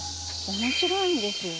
面白いんですよね。